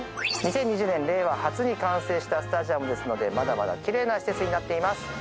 ２０２０年令和初に完成したスタジアムですのでまだまだきれいな施設になっています